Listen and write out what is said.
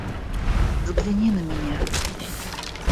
Взгляни на меня.